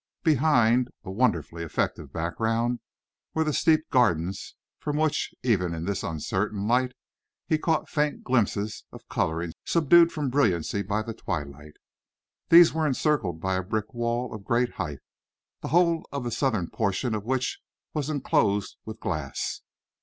Behind a wonderfully effective background were the steep gardens from which, even in this uncertain light, he caught faint glimpses of colouring subdued from brilliancy by the twilight. These were encircled by a brick wall of great height, the whole of the southern portion of which was enclosed with glass.